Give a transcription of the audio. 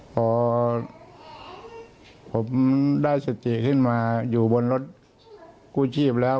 พอผมได้สติขึ้นมาอยู่บนรถกู้ชีพแล้ว